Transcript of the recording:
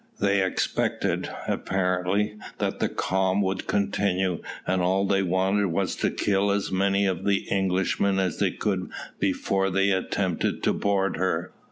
They expected, apparently, that the calm would continue, and all they wanted was to kill as many of the Englishmen as they could before they attempted to board her.